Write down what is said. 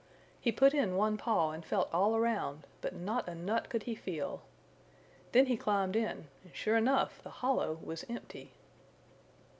He put in one paw and felt all around but not a nut could he feel. Then he climbed in and sure enough, the hollow was empty.